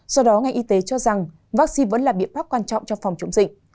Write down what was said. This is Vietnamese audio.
do đó ngành y tế cho rằng vaccine vẫn là biện pháp quan trọng cho phòng chống dịch